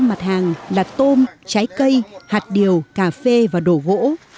năm mặt hàng là tôm trái cây hạt điều cà phê và đồ gỗ